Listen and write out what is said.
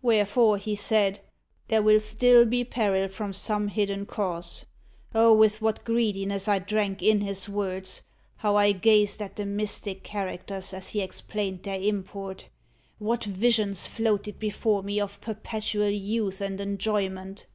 Wherefore, he said, 'there will still be peril from some hidden cause.' Oh, with what greediness I drank in his words! How I gazed at the mystic characters, as he explained their import! What visions floated before me of perpetual youth and enjoyment.